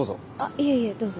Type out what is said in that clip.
いえいえどうぞ。